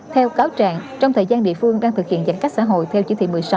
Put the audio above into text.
theo cáo trạng trong thời gian địa phương đang thực hiện giãn cách xã hội theo chỉ thị một mươi sáu